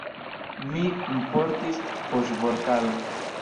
Mi kunportis poŝvortaron.